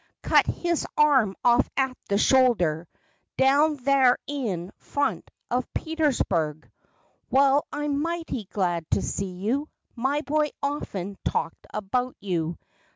Cut his arm off at the shoulder Down thar in front of Petersburg! Wal, I'm mighty glad to see you! My boy often talked about you.